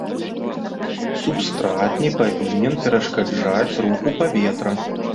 Субстрат не павінен перашкаджаць руху паветра.